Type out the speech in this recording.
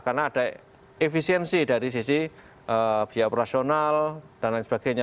karena ada efisiensi dari sisi biaya operasional dan lain sebagainya